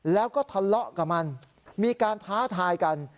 แล้วก็ทะเลาะกับมันมีการท้าทายกัน